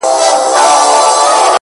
ورښكاره چي سي دښمن زړه يې لړزېږي!!